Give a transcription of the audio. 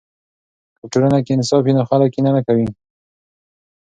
که په ټولنه کې انصاف وي نو خلک کینه نه کوي.